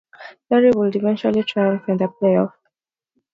Lawrie would eventually triumph in the playoff.